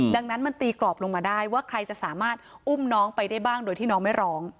ดังนั้นมันตีกรอบลงมาได้ว่าใครจะสามารถอุ้มน้องไปได้บ้างโดยที่น้องไม่ร้อง